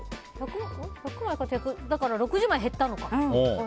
だから６０枚減ったのか。